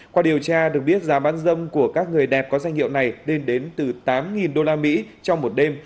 qua điều tra được biết giá bán dâm của các người đẹp có danh hiệu này lên đến từ tám usd trong một đêm